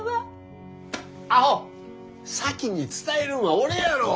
アホ先に伝えるんは俺やろ。